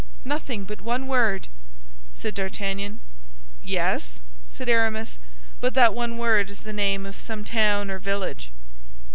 "Nothing but one word!" said D'Artagnan. "Yes," said Aramis, "but that one word is the name of some town or village."